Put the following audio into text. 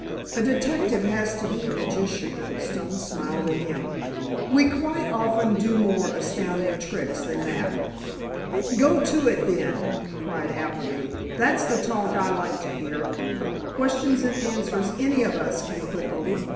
"A detective has to be a magician," Stone smiled at him. "We quite often do more astounding tricks than that." "Go to it, then!" cried Appleby. "That's the talk I like to hear. Questions and answers any of us can put over.